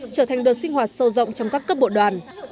trở thành đợt sinh hoạt sâu rộng trong các cấp bộ đoàn